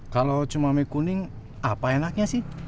kalau cuma mie kuning apa enaknya sih